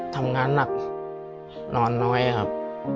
ทำงานหนักนอนน้อยครับ